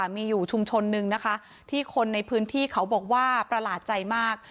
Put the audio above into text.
มีอยู่ชุมชนนึงนะคะที่คนในพื้นที่เขาบอกว่าประหลาดใจมาก